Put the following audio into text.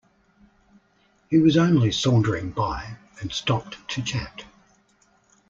He was only sauntering by and stopped to chat.